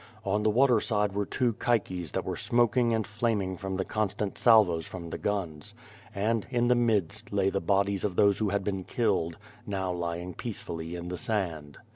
On the water side were two caiques that were smoking and flaming from the constant salvos from the guns. And in the midst lay the bodies of those who had been killed, now lying peacefully in the sand.